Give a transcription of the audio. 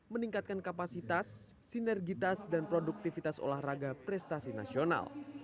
meningkatkan kapasitas sinergitas dan produktivitas olahraga prestasi nasional